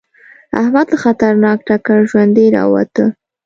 احمد له خطرناک ټکره ژوندی راووته.